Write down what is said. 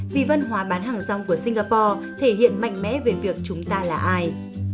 vì văn hóa bán hàng rong của singapore thể hiện mạnh mẽ về việc chúng ta là ai